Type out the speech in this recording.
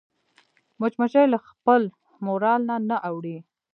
مچمچۍ له خپل مورال نه نه اوړي